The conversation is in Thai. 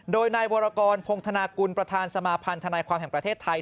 โดยนายวรกรพงธนากุลประธานสมาพันธนายความแห่งประเทศไทย